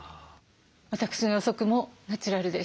私の予測もナチュラルでした。